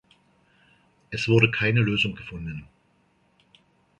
Es wurde keine Lösung gefunden!